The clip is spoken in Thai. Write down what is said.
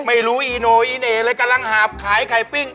ไม่รู้อีโน่อีเหน่เลยกำลังหาบขายไข่ปิ้ง